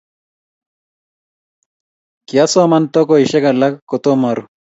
kiasoman tokosiek alak kotomo aru